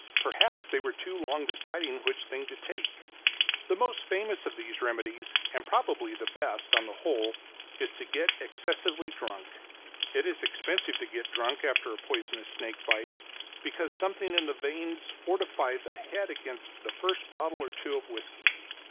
Perhaps they were too long deciding which thing to take. The most famous of these remedies, and probably the best, on the whole, is to get excessively drunk. It is expensive to get drunk after a poisonous snake bite, because something in the veins fortifies the head against the first bottle or two of whisky.